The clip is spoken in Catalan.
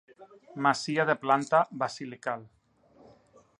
Masia de planta basilical.